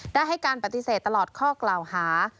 ได้ให้การปฏิเสธตลอดข้อกล่าวหา